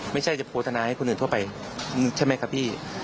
ไม่ใช่จะโภทนาให้คนอื่นทั่วไปใช่ไหมครับพี่